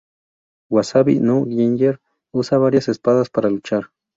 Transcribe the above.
Wasabi-No-Ginger usa varias espadas para luchar.